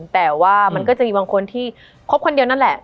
แต่ว่ามันก็จะมีบางคนที่คบคนเดียวนั่นแหละ